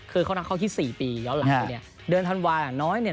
เคยเข้านักเข้าที่๔ปีเดือนธันวาธ์น้อยเนี่ย